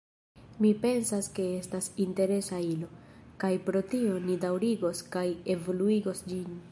Mi pensas ke estas interesa ilo, kaj pro tio ni daŭrigos kaj evoluigos ĝin.